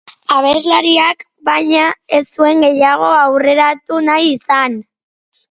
Abeslariak, baina, ez zuen gehiago aurreratu nahi izan.